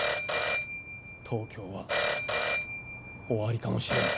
東京は終わりかもしれん。